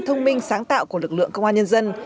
thông minh sáng tạo của lực lượng công an nhân dân